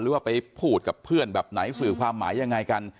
หรือว่าไปพูดกับเพื่อนแบบไหนสื่อความหมายยังไงกัน